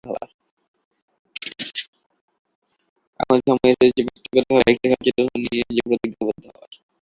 এখন সময় এসেছে ব্যক্তিগতভাবে আরেকটু সচেতন থাকার, নিজে নিজে প্রতিজ্ঞাবদ্ধ হওয়ার।